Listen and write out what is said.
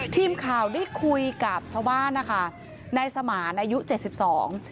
ทีมข่าวได้คุยกับชาวบ้านนะคะนายสมานอายุเจ็ดสิบสอง